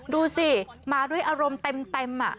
ดูสิมาด้วยอารมณ์เต็ม